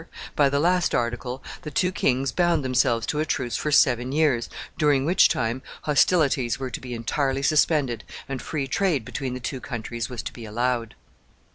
By the last article, the two kings bound themselves to a truce for seven years, during which time hostilities were to be entirely suspended, and free trade between the two countries was to be allowed.